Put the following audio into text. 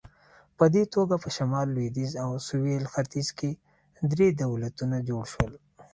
په دې توګه په شمال، لوېدیځ او سویل ختیځ کې درې دولتونه جوړ شول.